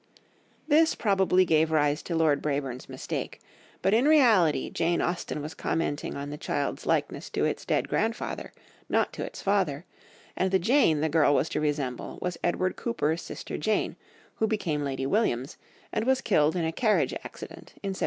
This probably gave rise to Lord Brabourne's mistake, but in reality Jane Austen was commenting on the child's likeness to its dead grandfather, not to its father, and the Jane the girl was to resemble, was Edward Cooper's sister Jane, who became Lady Williams, and was killed in a carriage accident in 1798.